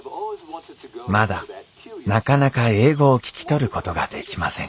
まだなかなか英語を聞き取ることができません